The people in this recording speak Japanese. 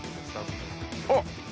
あっ。